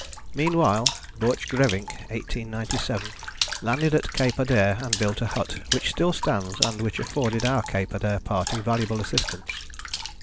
Meanwhile Borchgrevink (1897) landed at Cape Adare, and built a hut which still stands and which afforded our Cape Adare party valuable assistance.